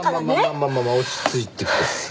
まあまあまあまあ落ち着いてください。